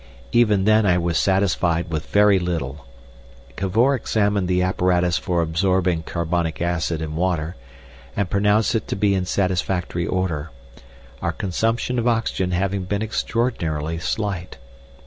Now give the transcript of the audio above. Even then I was satisfied with very little. Cavor examined the apparatus for absorbing carbonic acid and water, and pronounced it to be in satisfactory order, our consumption of oxygen having been extraordinarily slight.